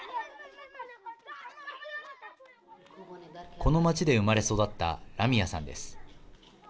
この町で生まれ育ったラミアさんです。